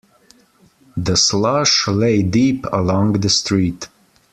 The slush lay deep along the street.